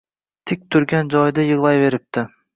Tik turgan joyida yig’layveribdi.